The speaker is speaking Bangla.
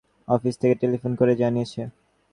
অফিস থেকে টেলিফোন করে জানিয়েছে।